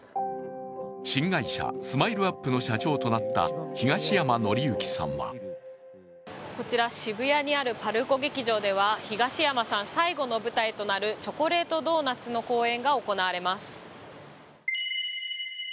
新会社ＳＭＩＬＥ−ＵＰ．の社長となった東山紀之さんはこちら渋谷にあるＰＡＲＣＯ劇場では東山さん最後の舞台となる「チョコレートトドーナツ」の公演が行われます。